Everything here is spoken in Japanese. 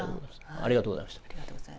ありがとうございます。